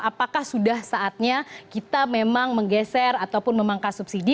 apakah sudah saatnya kita memang menggeser ataupun memangkas subsidi